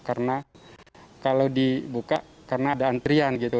karena kalau dibuka karena ada antrian gitu